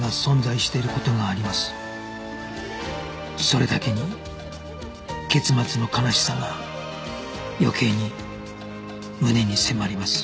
それだけに結末の悲しさが余計に胸に迫ります